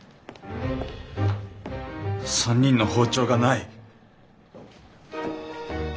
３人の包丁がない。